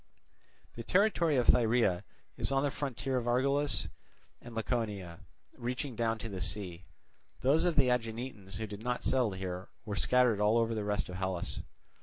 The territory of Thyrea is on the frontier of Argolis and Laconia, reaching down to the sea. Those of the Aeginetans who did not settle here were scattered over the rest of Hellas.